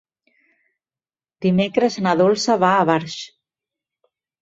Dimecres na Dolça va a Barx.